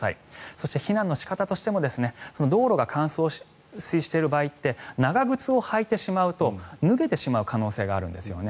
そして避難の仕方としても道路が冠水している場合って長靴を履いてしまうと脱げてしまう可能性があるんですよね。